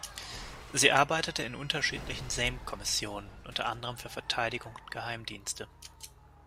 Sie arbeitete in unterschiedlichen Sejm-Kommissionen, unter anderem für Verteidigung und Geheimdienste.